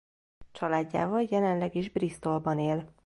Családjával jelenleg is Bristolban él.